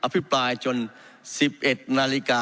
อภิปรายจน๑๑นาฬิกา๕๙นาทีครับ